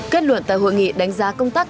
kết luận tại hội nghị đánh giá công tác